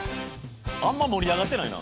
あんま盛り上がってないな。